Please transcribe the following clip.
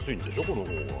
この方が。